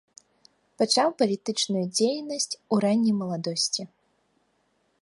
Пачаў палітычную дзейнасць у ранняй маладосці.